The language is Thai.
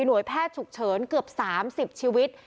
แพทย์ฉุกเฉินเกือบ๓๐ชีวิต